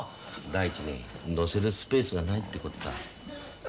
第一ね載せるスペースがないってことだ。